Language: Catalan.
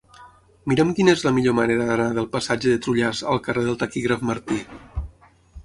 Mira'm quina és la millor manera d'anar del passatge de Trullàs al carrer del Taquígraf Martí.